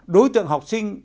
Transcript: đối tượng học sinh